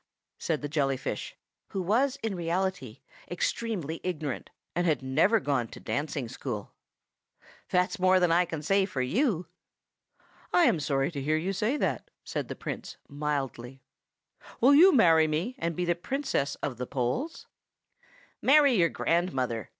said the jelly fish (who was in reality extremely ignorant, and had never gone to dancing school), "that's more than I can say for you!" "I am sorry to hear you say that," said the Prince, mildly. "Will you marry me, and be Princess of the Poles?" "Marry your grandmother!"